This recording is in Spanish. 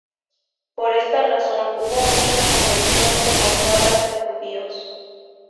Por esta razón hubo muchas conversiones forzadas de judíos.